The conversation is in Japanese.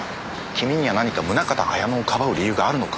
君には何か宗方綾乃をかばう理由があるのか？